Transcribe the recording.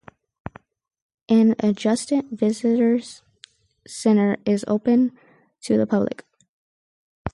An adjacent visitors center is open to the public.